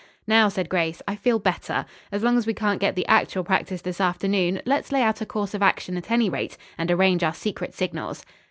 "Now," said Grace, "I feel better. As long as we can't get the actual practice this afternoon let's lay out a course of action at any rate, and arrange our secret signals."